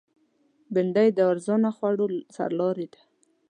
بېنډۍ د ارزانه خوړو سرلاری ده